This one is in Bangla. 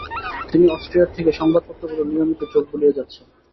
তিনি অস্ট্রিয়ায় থেকে সংবাদপত্রগুলি নিয়মিত চোখ বুলিয়ে যাচ্ছিলেন।